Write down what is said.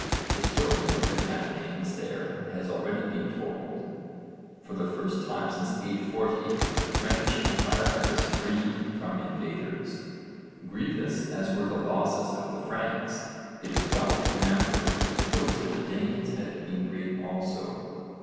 The story of the campaigns there has already been told. For the first time since 840 the Frankish empire was free from invaders. Grievous as were the losses of the Franks, it is well to remember that those of the Danes had been great also.